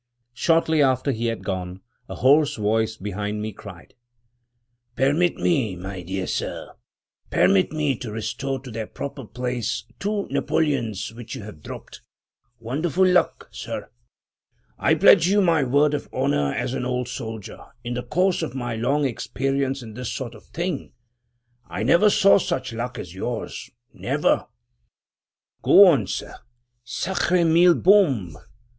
Shortly after he had gone, a hoarse voice behind me cried: "Permit me, my dear sir — permit me to restore to their proper place two napoleons which you have dropped. Wonderful luck, sir! I pledge you my word of honor, as an old soldier, in the course of my long experience in this sort of thing, I never saw such luck as yours — never! Go on, sir — Sacre mille bombes!